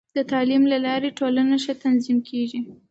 د تعلیم له لارې، ټولنه ښه تنظیم کېږي.